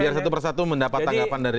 biar satu persatu mendapat tanggapan dari